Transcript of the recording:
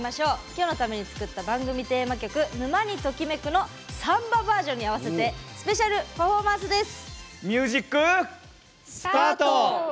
今日のために作った番組テーマ曲「沼にときめく！」のサンババージョンに合わせてスペシャルパフォーマンスです。